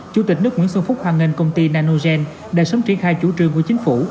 chủ tịch nước nguyễn xuân phúc hoan nghênh công ty nanogen đã sớm triển khai chủ trương của chính phủ